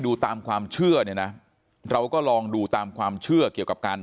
ดูตามความเชื่อเนี่ยนะเราก็ลองดูตามความเชื่อเกี่ยวกับการ